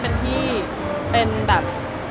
เป็นพี่เป็นแบบ